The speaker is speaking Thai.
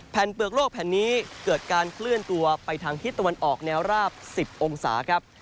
เปลือกโลกแผ่นนี้เกิดการเคลื่อนตัวไปทางทิศตะวันออกแนวราบ๑๐องศาครับ